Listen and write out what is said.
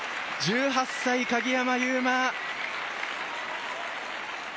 １８歳、鍵山優真。